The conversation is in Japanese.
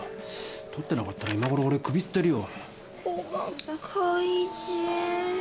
取ってなかったら今ごろおれは首吊ってるよ。